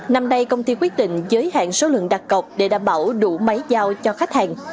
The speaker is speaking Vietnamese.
năm nay công ty quyết định giới hạn số lượng đặt cọc để đảm bảo đủ máy giao cho khách hàng